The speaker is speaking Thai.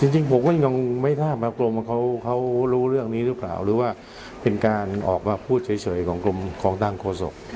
จริงผมก็ยังไม่ทราบมากรมเขารู้เรื่องนี้หรือเปล่าหรือว่าเป็นการออกมาพูดเฉยของกรมของทางโฆษก